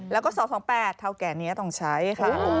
แล้วก็๒๒๘เท่าแก่นี้ต้องใช้ค่ะ